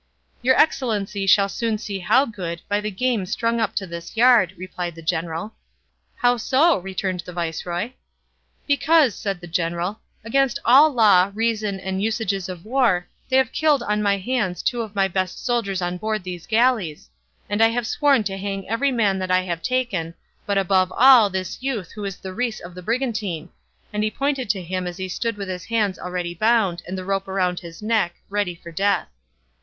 "Your excellency shall soon see how good, by the game strung up to this yard," replied the general. "How so?" returned the viceroy. "Because," said the general, "against all law, reason, and usages of war they have killed on my hands two of the best soldiers on board these galleys, and I have sworn to hang every man that I have taken, but above all this youth who is the rais of the brigantine," and he pointed to him as he stood with his hands already bound and the rope round his neck, ready for death.